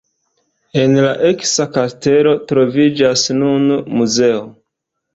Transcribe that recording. En la eksa kastelo troviĝas nun muzeo.